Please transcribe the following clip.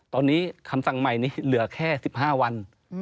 ตอนนี้คำสั่งใหม่นี้เหลือแค่๑๕วัน